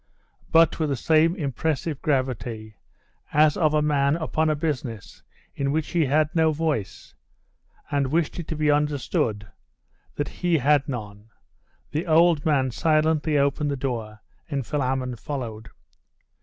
But with the same impressive gravity, as of a man upon a business in which he had no voice, and wished it to be understood that lie had none, the old man silently opened the door, and Philammon followed....